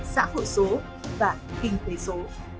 xã hội số và kinh tế số